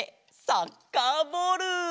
サッカーボール！